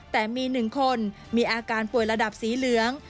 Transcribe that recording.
แต่มี๑คนมีอาการป่วยระดับสีเหลือง